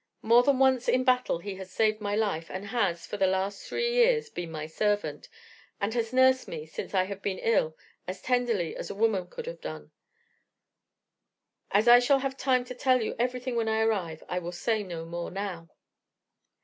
More than once in battle he has saved my life, and has, for the last three years, been my servant, and has nursed me since I have been ill as tenderly as a woman could have done. As I shall have time to tell you everything when I arrive, I will say no more now."